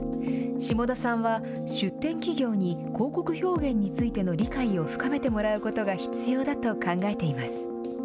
下田さんは出展企業に広告表現についての理解を深めてもらうことが必要だと考えています。